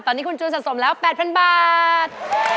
ตอนนี้คุณจูนสะสมแล้ว๘๐๐๐บาท